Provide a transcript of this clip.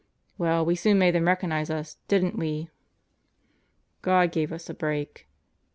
..." "Well, we soon made them recognize us, didn't we?" "God gave us a break."